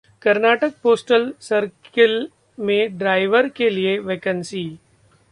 Karnataka postal circle में driver के लिए वैकेंसी